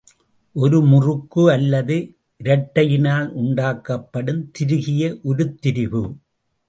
ஒரு முறுக்கு அல்லது இரட்டையினால் உண்டாக்கப் படும் திருகிய உருத்திரிபு.